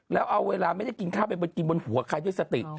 แล้วเอาเวลาไม่ได้กินข้าวไปกินบนหัวใครด้วยสติ